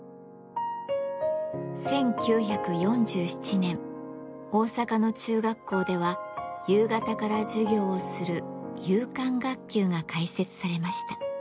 １９４７年大阪の中学校では夕方から授業をする夕間学級が開設されました。